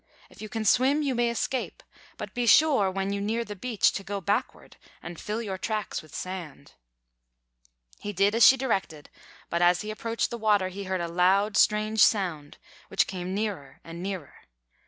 If you can swim, you may escape; but be sure, when you near the beach, to go backward and fill your tracks with sand." He did as she directed; but as he approached the water, he heard a loud, strange sound, which came nearer and nearer.